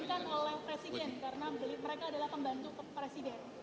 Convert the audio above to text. misalnya tidak diizinkan oleh presiden karena mereka adalah pembantu presiden